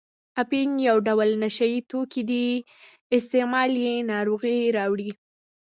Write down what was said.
اپین یو ډول نشه یي توکي دي استعمال یې ناروغۍ راوړي.